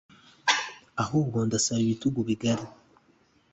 ahubwo ndasaba ibitugu bigari